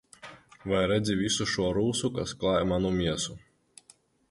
Vai redzi visu šo rūsu, kas klāj manu miesu?